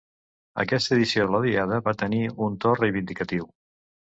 Aquesta edició de la diada va tenir un to reivindicatiu.